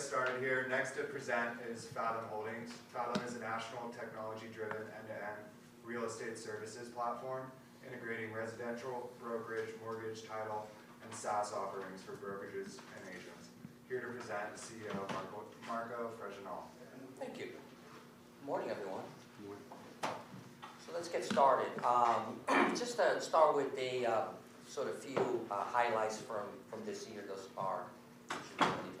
We're going to get started here. Next to present is Fathom Holdings. Fathom is a national technology-driven end-to-end real estate services platform integrating residential, thoroughbred mortgage, title, and SaaS offerings for brokers and agents. Here to present is CEO Marco Fregenal. Thank you. Morning, everyone. Good morning. Let's get started. Just to start with a few highlights from this year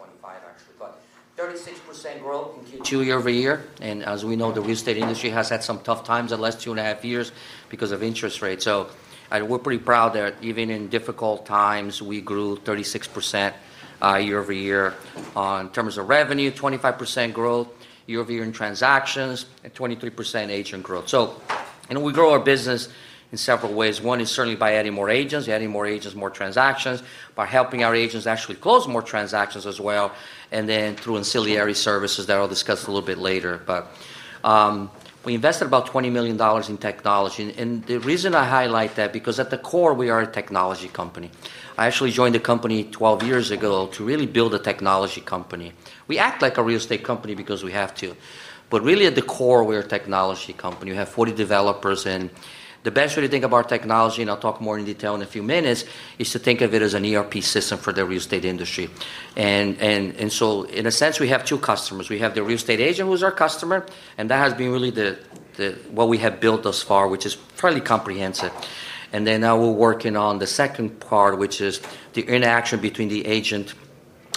thus far, which is only 2025, actually, but 36% growth in Q2 year-over-year. As we know, the real estate industry has had some tough times the last two and a half years because of interest rates. We're pretty proud that even in difficult times, we grew 36% year-over-year in terms of revenue, 25% growth year-over-year in transactions, and 23% agent growth. We grow our business in several ways. One is certainly by adding more agents, more transactions, by helping our agents actually close more transactions as well, and then through ancillary services that I'll discuss a little bit later. We invested about $20 million in technology. The reason I highlight that is because at the core, we are a technology company. I actually joined the company 12 years ago to really build a technology company. We act like a real estate company because we have to, but really, at the core, we are a technology company. We have 40 developers. The best way to think about technology, and I'll talk more in detail in a few minutes, is to think of it as an ERP system for the real estate industry. In a sense, we have two customers. We have the real estate agent, who is our customer, and that has been really what we have built thus far, which is fairly comprehensive. Now we're working on the second part, which is the interaction between the agent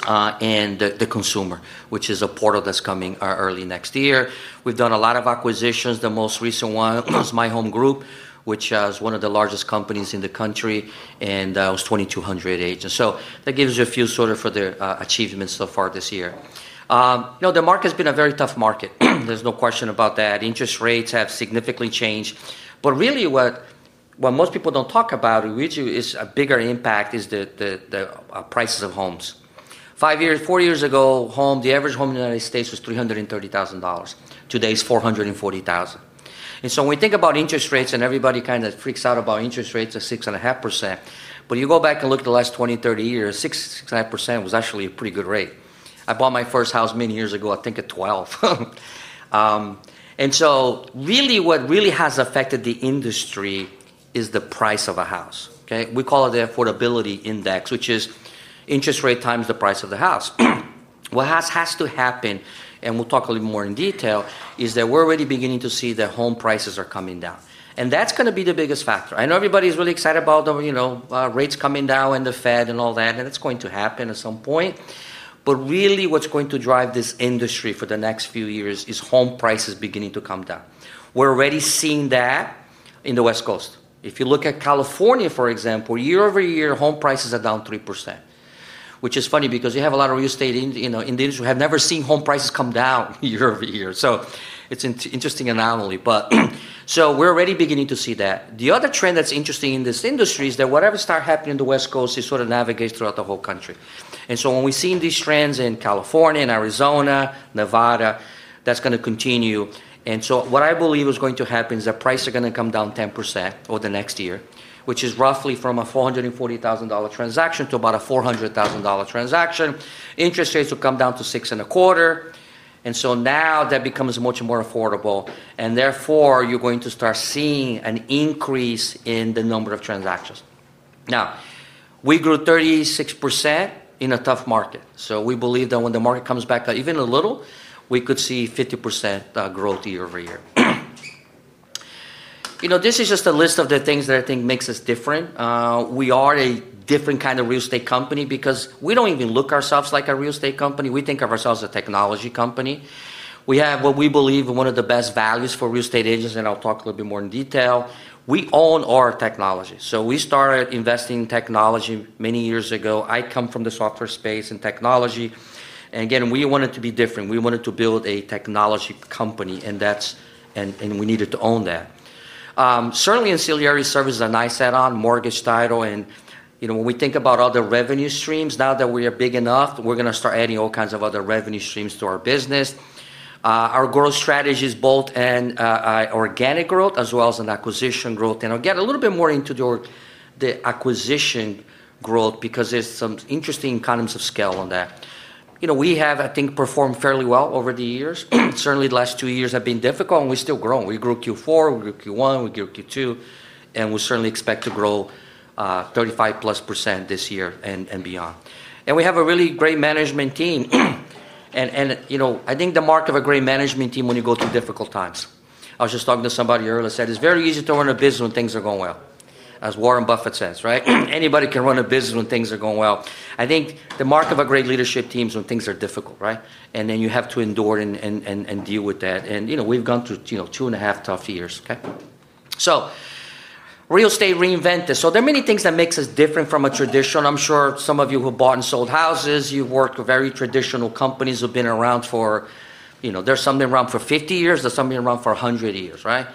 and the consumer, which is a portal that's coming early next year. We've done a lot of acquisitions. The most recent one was My Home Group, which is one of the largest companies in the country, and it was 2,200 agents. That gives you a few of the achievements so far this year. The market has been a very tough market. There's no question about that. Interest rates have significantly changed. What most people don't talk about, which is a bigger impact, is the prices of homes. Five years, four years ago, the average home in the United States was $330,000. Today it's $440,000. When we think about interest rates, and everybody kind of freaks out about interest rates of 6.5%, if you go back and look at the last 20, 30 years, 6.5% was actually a pretty good rate. I bought my first house many years ago, I think at 12%. What really has affected the industry is the price of a house. We call it the affordability index, which is interest rate times the price of the house. What has to happen, and we'll talk a little bit more in detail, is that we're already beginning to see that home prices are coming down. That's going to be the biggest factor. I know everybody's really excited about the rates coming down and the Fed and all that, and it's going to happen at some point. Really, what's going to drive this industry for the next few years is home prices beginning to come down. We're already seeing that in the West Coast. If you look at California, for example, year-over-year, home prices are down 3%, which is funny because you have a lot of real estate in the industry who have never seen home prices come down year-over-year. It's an interesting anomaly. We're already beginning to see that. The other trend that's interesting in this industry is that whatever starts happening in the West Coast, it sort of navigates throughout the whole country. When we see these trends in California and Arizona, Nevada, that's going to continue. What I believe is going to happen is that prices are going to come down 10% over the next year, which is roughly from a $440,000 transaction to about a $400,000 transaction. Interest rates will come down to 6.25%. Now that becomes much more affordable, and therefore, you're going to start seeing an increase in the number of transactions. We grew 36% in a tough market. We believe that when the market comes back up, even a little, we could see 50% growth year-over-year. This is just a list of the things that I think makes us different. We are a different kind of real estate company because we don't even look at ourselves like a real estate company. We think of ourselves as a technology company. We have what we believe is one of the best values for real estate agents. I'll talk a little bit more in detail. We own our technology. We started investing in technology many years ago. I come from the software space and technology. We wanted to be different. We wanted to build a technology company, and we needed to own that. Certainly, ancillary services are nice to add on, mortgage, title. When we think about other revenue streams, now that we are big enough, we're going to start adding all kinds of other revenue streams to our business. Our growth strategy is both an organic growth as well as an acquisition growth. I'll get a little bit more into the acquisition growth because there's some interesting economies of scale on that. We have, I think, performed fairly well over the years. Certainly, the last two years have been difficult, and we've still grown. We grew Q4, we grew Q1, we grew Q2. We certainly expect to grow 35%+ this year and beyond. We have a really great management team. I think the mark of a great management team is when you go through difficult times. I was just talking to somebody earlier that said it's very easy to run a business when things are going well, as Warren Buffett says, right? Anybody can run a business when things are going well. I think the mark of a great leadership team is when things are difficult, right? You have to endure and deal with that. We've gone through two and a half tough years. Okay, so real estate reinvented. There are many things that make us different from a traditional. I'm sure some of you who bought and sold houses, you work with very traditional companies who have been around for, you know, there's some that have been around for 50 years, there's some that have been around for 100 years, right?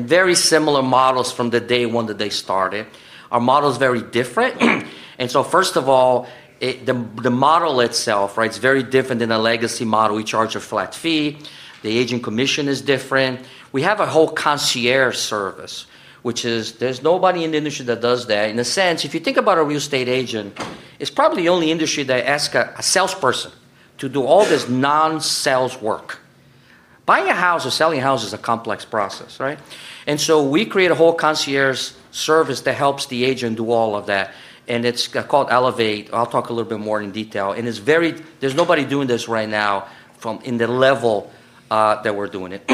Very similar models from day one that they started. Our model is very different. First of all, the model itself is very different than a legacy model. We charge a flat fee. The agent commission is different. We have a whole concierge service, which is there's nobody in the industry that does that. In a sense, if you think about a real estate agent, it's probably the only industry that asks a salesperson to do all this non-sales work. Buying a house or selling a house is a complex process, right? We create a whole concierge service that helps the agent do all of that. It's called Elevate. I'll talk a little bit more in detail. There's nobody doing this right now at the level that we're doing it.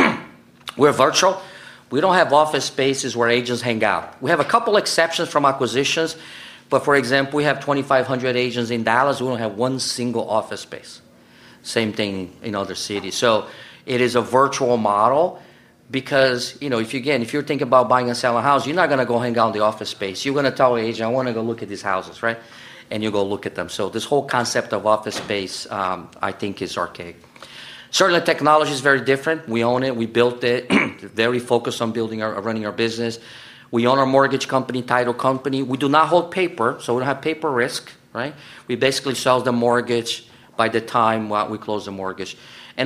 We're virtual. We don't have office spaces where agents hang out. We have a couple of exceptions from acquisitions. For example, we have 2,500 agents in Dallas. We don't have one single office space. Same thing in other cities. It is a virtual model because, if you're thinking about buying or selling a house, you're not going to go hang out in the office space. You're going to tell the agent, "I want to go look at these houses," right? You go look at them. This whole concept of office space, I think, is archaic. Certainly, technology is very different. We own it. We built it. It's very focused on building and running our business. We own our mortgage company, title company. We do not hold paper, so we don't have paper risk, right? We basically sell the mortgage by the time we close the mortgage.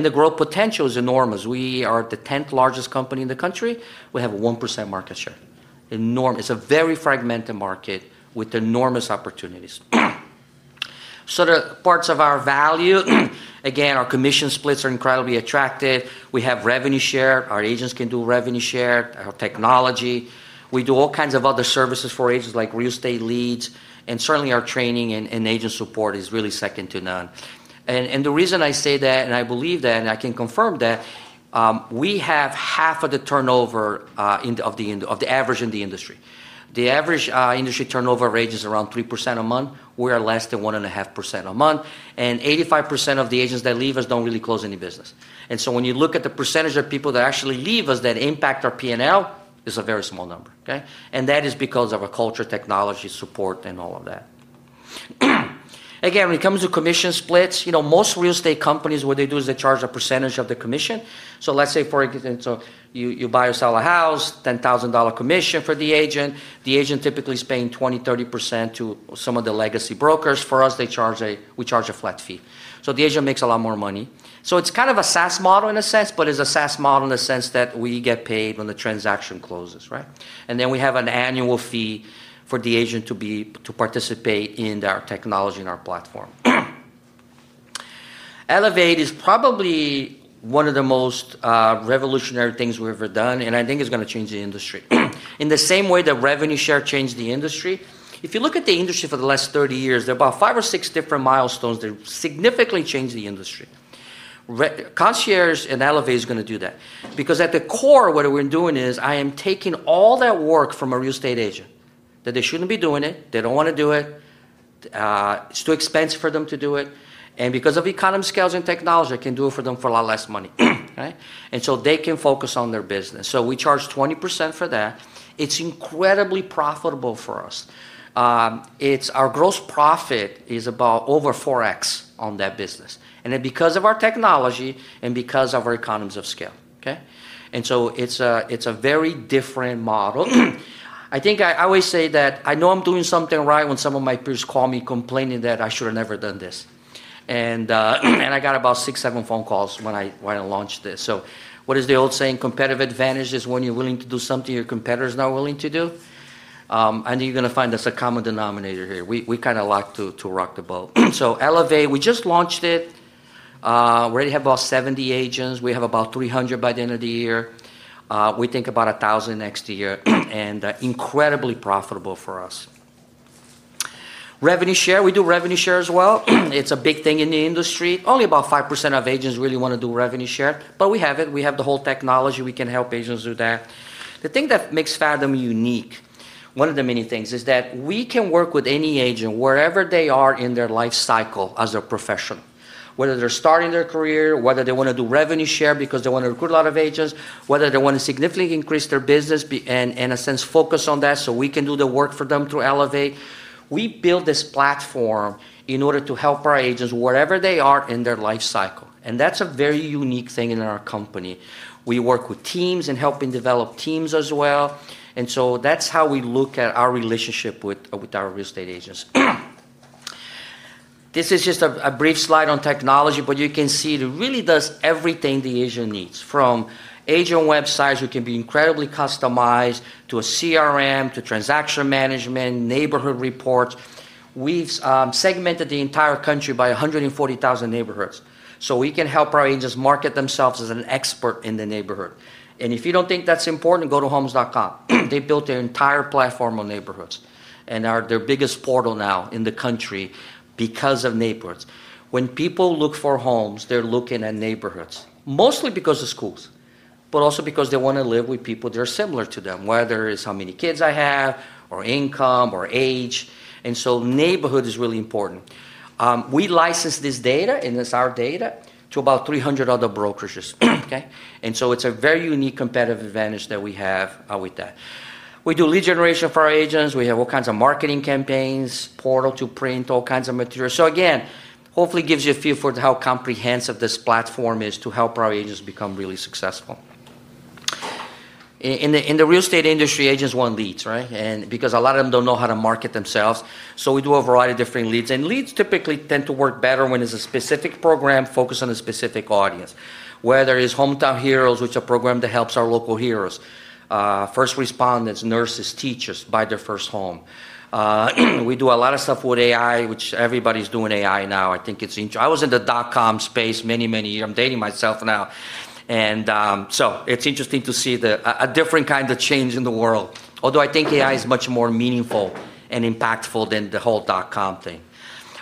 The growth potential is enormous. We are the 10th largest company in the country. We have 1% market share. Enormous. It's a very fragmented market with enormous opportunities. The parts of our value, again, our commission splits are incredibly attractive. We have revenue share. Our agents can do revenue share, our technology. We do all kinds of other services for agents like real estate leads. Certainly, our training and agent support is really second to none. The reason I say that, and I believe that, and I can confirm that, we have half of the turnover of the average in the industry. The average industry turnover rate is around 3% a month. We are less than 1.5% a month. 85% of the agents that leave us don't really close any business. When you look at the percentage of people that actually leave us that impact our P&L, it's a very small number. That is because of our culture, technology, support, and all of that. When it comes to commission splits, you know, most real estate companies, what they do is they charge a percentage of the commission. Let's say, for example, you buy or sell a house, $10,000 commission for the agent. The agent typically is paying 20%, 30% to some of the legacy brokers. For us, we charge a flat fee, so the agent makes a lot more money. It's kind of a SaaS model in a sense, but it's a SaaS model in the sense that we get paid when the transaction closes, right? We have an annual fee for the agent to participate in our technology and our platform. Elevate is probably one of the most revolutionary things we've ever done. I think it's going to change the industry. In the same way that revenue share changed the industry, if you look at the industry for the last 30 years, there are about five or six different milestones that significantly changed the industry. Concierge and Elevate is going to do that. Because at the core, what we're doing is I am taking all that work from a real estate agent that they shouldn't be doing. They don't want to do it. It's too expensive for them to do it. Because of economy of scales and technology, I can do it for them for a lot less money, right? They can focus on their business. We charge 20% for that. It's incredibly profitable for us. Our gross profit is about over 4x on that business because of our technology and because of our economies of scale. It's a very different model. I think I always say that I know I'm doing something right when some of my peers call me complaining that I should have never done this. I got about six, seven phone calls when I launched this. What is the old saying? Competitive advantage is when you're willing to do something your competitor is not willing to do. I think you're going to find as a common denominator here, we kind of like to rock the boat. Elevate, we just launched it. We already have about 70 agents. We'll have about 300 by the end of the year. We think about 1,000 next year. Incredibly profitable for us. Revenue share, we do revenue share as well. It's a big thing in the industry. Only about 5% of agents really want to do revenue share, but we have it. We have the whole technology. We can help agents do that. The thing that makes Fathom unique, one of the many things, is that we can work with any agent, wherever they are in their life cycle as a profession. Whether they're starting their career, whether they want to do revenue share because they want to recruit a lot of agents, whether they want to significantly increase their business and, in a sense, focus on that so we can do the work for them through Elevate. We build this platform in order to help our agents, wherever they are in their life cycle. That's a very unique thing in our company. We work with teams and helping develop teams as well. That's how we look at our relationship with our real estate agents. This is just a brief slide on technology, but you can see it really does everything the agent needs, from agent websites that can be incredibly customized to a CRM to transaction management, neighborhood reports. We've segmented the entire country by 140,000 neighborhoods. We can help our agents market themselves as an expert in the neighborhood. If you don't think that's important, go to homes.com. They built their entire platform on neighborhoods and are their biggest portal now in the country because of neighborhoods. When people look for homes, they're looking at neighborhoods, mostly because of schools, but also because they want to live with people that are similar to them, whether it's how many kids I have or income or age. Neighborhood is really important. We license this data, and it's our data, to about 300 other brokers. It's a very unique competitive advantage that we have with that. We do lead generation for our agents. We have all kinds of marketing campaigns, portal to print, all kinds of materials. Hopefully it gives you a feel for how comprehensive this platform is to help our agents become really successful. In the real estate industry, agents want leads, right? A lot of them don't know how to market themselves. We do a variety of different leads. Leads typically tend to work better when it's a specific program focused on a specific audience, whether it's Hometown Heroes, which is a program that helps our local heroes, first responders, nurses, teachers buy their first home. We do a lot of stuff with AI, which everybody's doing AI now. I think it's interesting. I was in the dot-com space many, many years. I'm dating myself now. It's interesting to see a different kind of change in the world. Although I think AI is much more meaningful and impactful than the whole dot-com thing.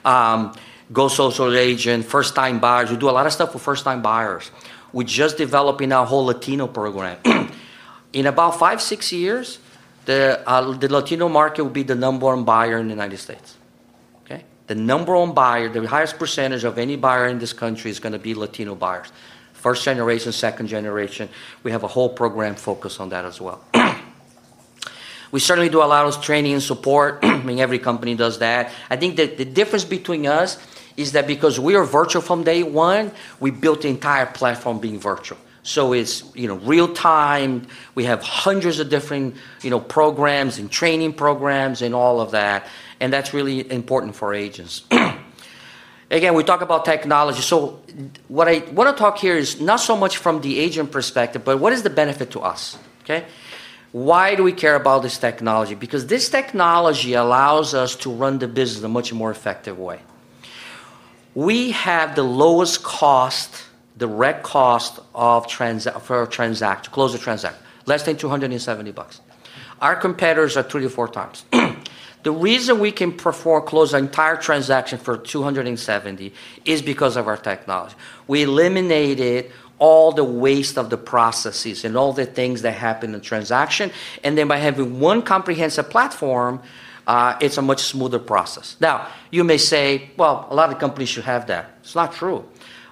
GoSocial Agent, first-time buyers. We do a lot of stuff for first-time buyers. We're just developing our whole Latino program. In about five, six years, the Latino market will be the number one buyer in the U.S. The number one buyer, the highest percentage of any buyer in this country is going to be Latino buyers, first generation, second generation. We have a whole program focused on that as well. We certainly do a lot of training and support. Every company does that. The difference between us is that because we are virtual from day one, we built the entire platform being virtual. It's real-time. We have hundreds of different programs and training programs and all of that. That's really important for agents. We talk about technology. What I want to talk here is not so much from the agent perspective, but what is the benefit to us? Why do we care about this technology? Because this technology allows us to run the business in a much more effective way. We have the lowest cost, the direct cost of transaction to close a transaction, less than $270. Our competitors are 3x-4x. The reason we can perform close our entire transaction for $270 is because of our technology. We eliminated all the waste of the processes and all the things that happen in the transaction. By having one comprehensive platform, it's a much smoother process. You may say, a lot of companies should have that. It's not true.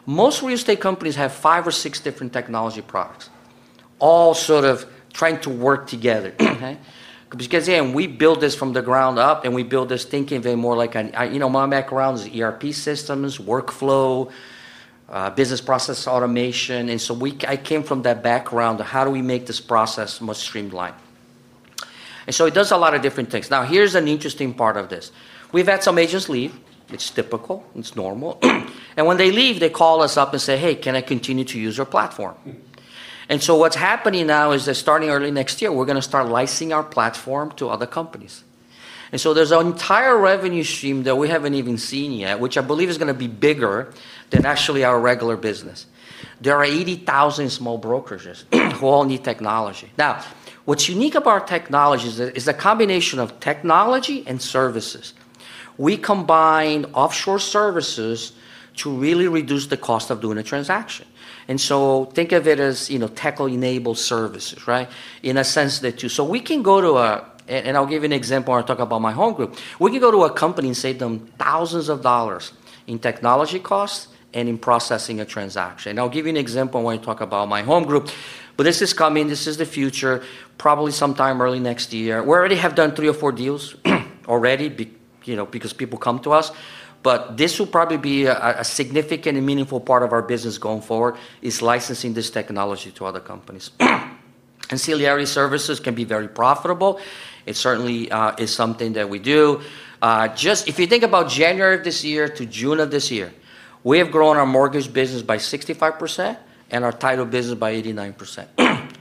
Most real estate companies have five or six different technology products, all sort of trying to work together. Because again, we build this from the ground up and we build this thinking very more like an, you know, my background is ERP systems, workflow, business process automation. I came from that background of how do we make this process more streamlined. It does a lot of different things. Now, here's an interesting part of this. We've had some agents leave. It's typical. It's normal. When they leave, they call us up and say, "Hey, can I continue to use your platform?" What's happening now is that starting early next year, we're going to start licensing our platform to other companies. There's an entire revenue stream that we haven't even seen yet, which I believe is going to be bigger than actually our regular business. There are 80,000 small brokerages who all need technology. What's unique about our technology is a combination of technology and services. We combine offshore services to really reduce the cost of doing a transaction. Think of it as, you know, tech-enabled services, right? In a sense that you, so we can go to a, and I'll give you an example when I talk about My Home Group. We can go to a company and save them thousands of dollars in technology costs and in processing a transaction. I'll give you an example when I talk about My Home Group. This is coming. This is the future. Probably sometime early next year. We already have done three or four deals already, you know, because people come to us. This will probably be a significant and meaningful part of our business going forward is licensing this technology to other companies. Ancillary services can be very profitable. It certainly is something that we do. Just if you think about January of this year to June of this year, we have grown our mortgage business by 65% and our title business by 89%.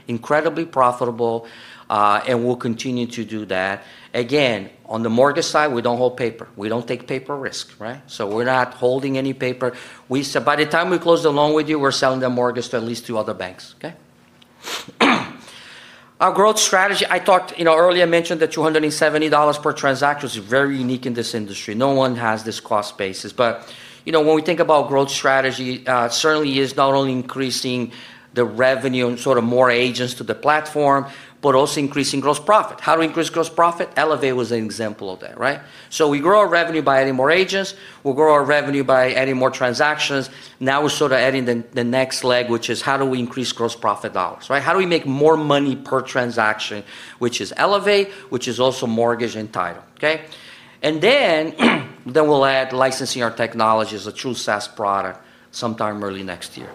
Incredibly profitable, and we'll continue to do that. Again, on the mortgage side, we don't hold paper. We don't take paper risk, right? We're not holding any paper. We said by the time we close the loan with you, we're selling the mortgage to at least two other banks. Our growth strategy, I talked, you know, earlier I mentioned that $270 per transaction is very unique in this industry. No one has this cost basis. When we think about growth strategy, it certainly is not only increasing the revenue and sort of more agents to the platform, but also increasing gross profit. How to increase gross profit? Elevate was an example of that, right? We grow our revenue by adding more agents. We grow our revenue by adding more transactions. Now we're sort of adding the next leg, which is how do we increase gross profit dollars, right? How do we make more money per transaction, which is Elevate, which is also mortgage and title. We will add licensing our technology as a true SaaS product sometime early next year.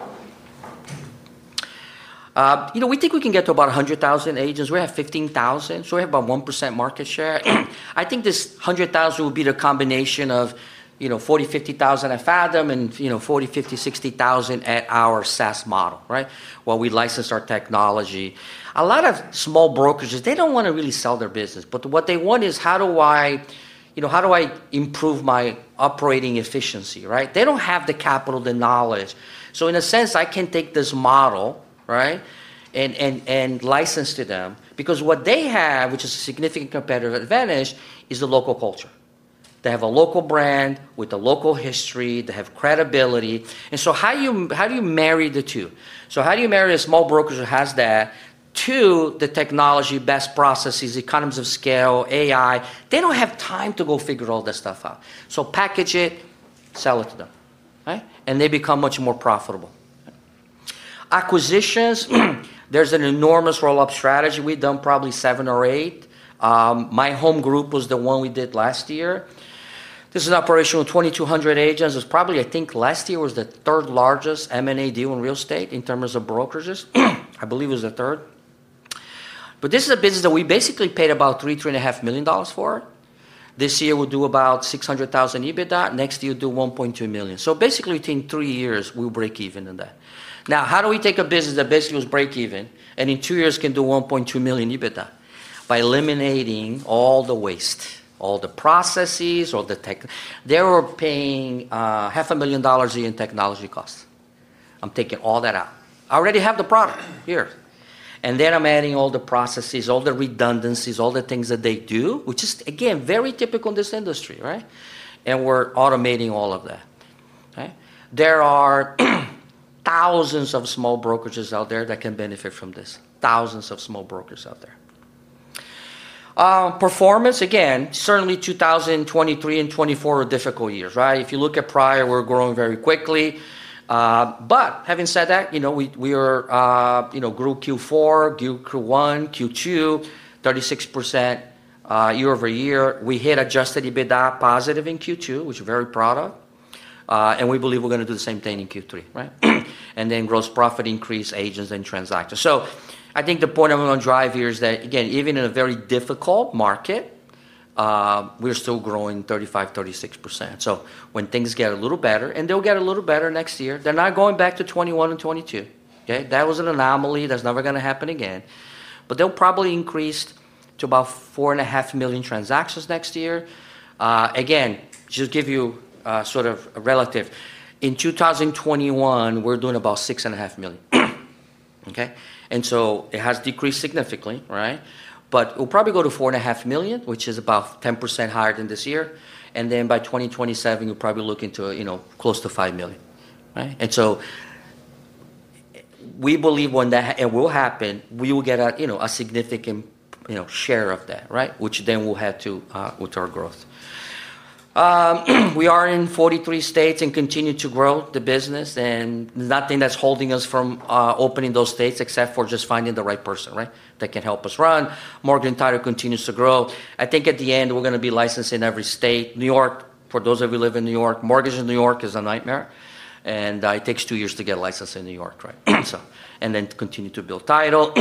We think we can get to about 100,000 agents. We have 15,000. We have about 1% market share. I think this 100,000 would be the combination of, you know, 40,000, 50,000 at Fathom and, you know, 40,000, 50,000, 60,000 at our SaaS model, right? While we license our technology, a lot of small brokers, they don't want to really sell their business. What they want is how do I, you know, how do I improve my operating efficiency, right? They don't have the capital, the knowledge. In a sense, I can take this model, right, and license to them because what they have, which is a significant competitive advantage, is a local culture. They have a local brand with a local history. They have credibility. How do you marry the two? How do you marry a small broker who has that to the technology, best processes, economies of scale, AI? They don't have time to go figure all that stuff out. Package it, sell it to them, right? They become much more profitable. Acquisitions, there's an enormous roll-up strategy. We've done probably seven or eight. My Home Group was the one we did last year. This is an operation with 2,200 agents. It was probably, I think last year was the third largest M&A deal in real estate in terms of brokerages. I believe it was the third. This is a business that we basically paid about $3 million, $3.5 million for. This year we'll do about $600,000 EBITDA. Next year we'll do $1.2 million. Basically, within three years we break even in that. Now, how do we take a business that basically was break even and in two years can do $1.2 million EBITDA? By eliminating all the waste, all the processes, all the tech. They were paying half a million dollars a year in technology costs. I'm taking all that out. I already have the product here. I'm adding all the processes, all the redundancies, all the things that they do, which is again very typical in this industry, right? We're automating all of that. There are thousands of small brokerages out there that can benefit from this. Thousands of small brokers out there. Performance, again, certainly 2023 and 2024 are difficult years, right? If you look at prior, we're growing very quickly. Having said that, we grew Q4, Q1, Q2, 36% year-over-year. We hit adjusted EBITDA positive in Q2, which we're very proud of, and we believe we're going to do the same thing in Q3, right? Then gross profit increase, agents, and transactions. I think the point I want to drive here is that, again, even in a very difficult market, we're still growing 35%, 36%. When things get a little better, and they'll get a little better next year, they're not going back to 2021 and 2022. That was an anomaly that's never going to happen again. They'll probably increase to about 4.5 million transactions next year. Just to give you a sort of a relative, in 2021, we're doing about 6.5 million. It has decreased significantly, right? It'll probably go to 4.5 million, which is about 10% higher than this year. By 2027, you'll probably look into, you know, close to 5 million. We believe when that will happen, we will get a significant share of that, right? Which then we'll head to with our growth. We are in 43 states and continue to grow the business. There's nothing that's holding us from opening those states except for just finding the right person, right? That can help us run. Mortgage and title continues to grow. I think at the end, we're going to be licensed in every state. New York, for those of you who live in New York, mortgage in New York is a nightmare. It takes two years to get licensed in New York, right? Continue to build title.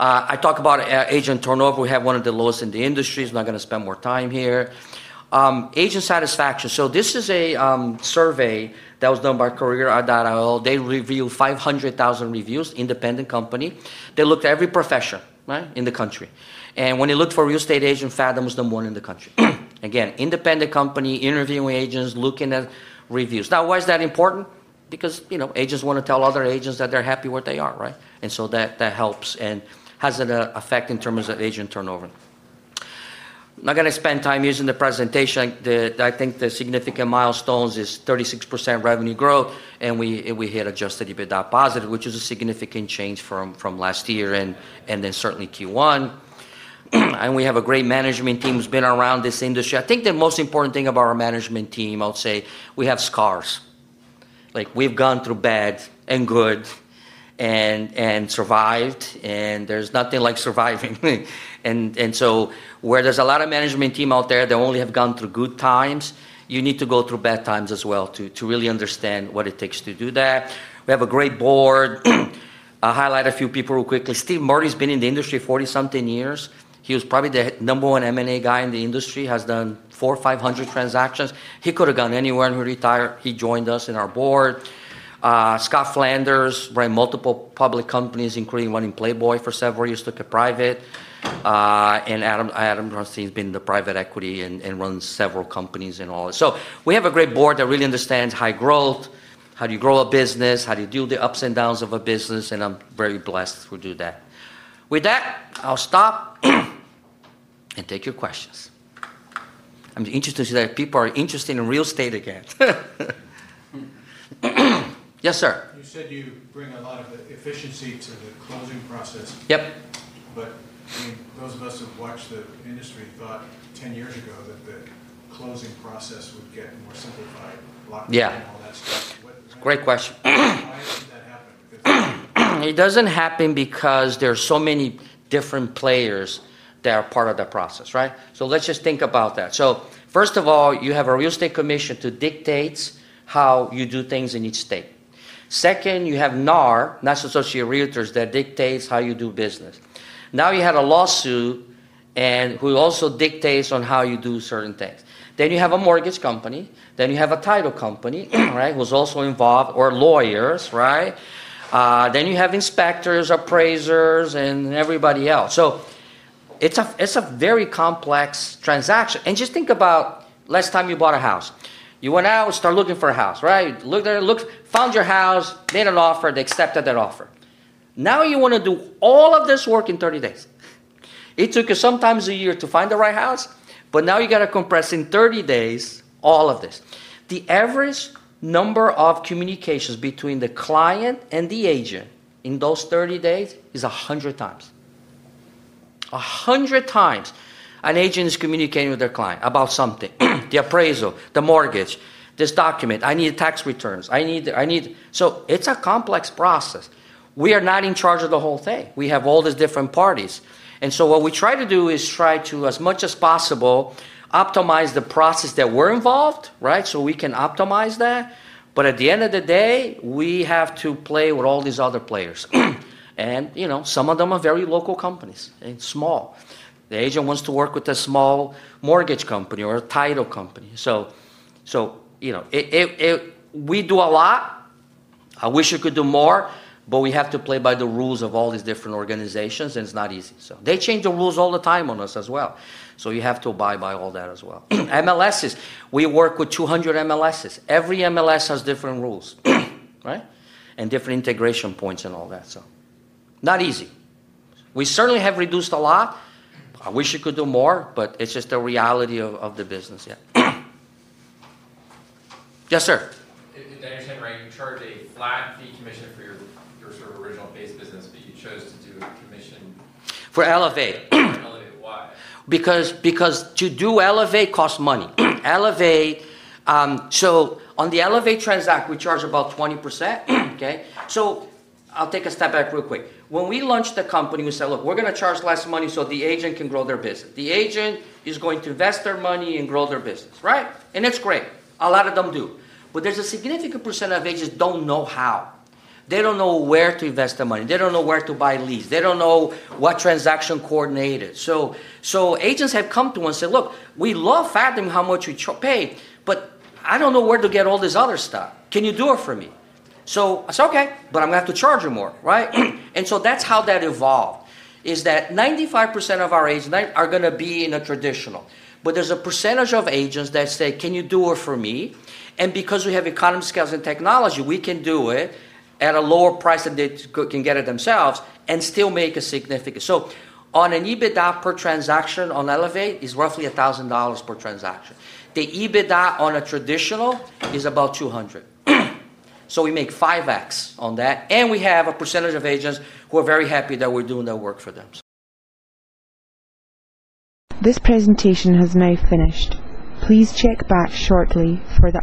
I talk about agent turnover. We have one of the lowest in the industry. I'm not going to spend more time here. Agent satisfaction. This is a survey that was done by Career.io. They reviewed 500,000 reviews, independent company. They looked at every profession in the country. When they looked for real estate agents, Fathom was the one in the country. Again, independent company, interviewing agents, looking at reviews. Now, why is that important? Because agents want to tell other agents that they're happy where they are, right? That helps and has an effect in terms of agent turnover. I'm not going to spend time using the presentation. I think the significant milestone is 36% revenue growth. We hit adjusted EBITDA positive, which is a significant change from last year and then certainly Q1. We have a great management team who's been around this industry. I think the most important thing about our management team, I would say, we have scars. We've gone through bad and good and survived. There's nothing like surviving. Where there's a lot of management team out there that only have gone through good times, you need to go through bad times as well to really understand what it takes to do that. We have a great board. I highlight a few people real quickly. Steve Murray's been in the industry 40-something years. He was probably the number one M&A guy in the industry. He has done 400, 500 transactions. He could have gone anywhere and retired. He joined us in our board. Scott Flanders ran multiple public companies, including running Playboy for several years, took it private. Adam Rothstein's been in private equity and runs several companies and all that. We have a great board that really understands high growth, how you grow a business, how you deal with the ups and downs of a business. I'm very blessed to do that. With that, I'll stop and take your questions. I'm interested to see that people are interested in real estate again. Yes, sir. Efficiency to the closing process. Those of us who have watched the industry thought 10 years ago that the closing process would get more simplified. Yeah. Great question. It doesn't happen because there are so many different players that are part of the process, right? Let's just think about that. First of all, you have a real estate commission that dictates how you do things in each state. Second, you have NAR, National Association of REALTORS, that dictates how you do business. Now you had a lawsuit, and who also dictates on how you do certain things. You have a mortgage company. You have a title company, right, who's also involved, or lawyers, right? You have inspectors, appraisers, and everybody else. It's a very complex transaction. Just think about last time you bought a house. You went out and started looking for a house, right? Looked at it, found your house, made an offer, they accepted that offer. Now you want to do all of this work in 30 days. It took us sometimes a year to find the right house, but now you have to compress in 30 days all of this. The average number of communications between the client and the agent in those 30 days is 100x. 100x an agent is communicating with their client about something, the appraisal, the mortgage, this document. I need tax returns. I need the, I need the, so it's a complex process. We are not in charge of the whole thing. We have all these different parties. What we try to do is try to, as much as possible, optimize the process that we're involved, right? We can optimize that. At the end of the day, we have to play with all these other players. Some of them are very local companies and small. The agent wants to work with a small mortgage company or a title company. We do a lot. I wish we could do more, but we have to play by the rules of all these different organizations, and it's not easy. They change the rules all the time on us as well. You have to abide by all that as well. MLSs, we work with 200 MLSs. Every MLS has different rules, right? And different integration points and all that. Not easy. We certainly have reduced a lot. I wish we could do more, but it's just the reality of the business. Yeah. Yes, sir. Right. In charge of a flat-fee commission for your sort of original base business, but you chose to do a commission. For Elevate. Because to do Elevate costs money. On the Elevate transaction, we charge about 20%. I'll take a step back real quick. When we launched the company, we said, look, we're going to charge less money so the agent can grow their business. The agent is going to invest their money and grow their business, right? It's great. A lot of them do. There's a significant percent of agents who don't know how. They don't know where to invest their money. They don't know where to buy leads. They don't know what transaction coordinators. Agents have come to us and said, look, we love Fathom, how much we paid, but I don't know where to get all this other stuff. Can you do it for me? I said, okay, but I'm going to have to charge you more, right? That's how that evolved, is that 95% of our agents are going to be in a traditional. There's a percentage of agents that say, can you do it for me? Because we have economies of scale and technology, we can do it at a lower price than they can get it themselves and still make a significant... On an EBITDA per transaction on Elevate, it's roughly $1,000 per transaction. The EBITDA on a traditional is about $200. We make 5x on that. We have a percentage of agents who are very happy that we're doing that work for them. This presentation has now finished. Please check back shortly for the.